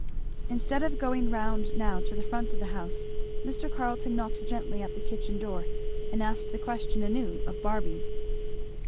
Instead of going round now to the front of the house, Mr. Carleton knocked gently at the kitchen door and asked the question anew of Barby.